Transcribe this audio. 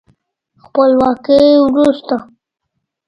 خپلواکۍ وروسته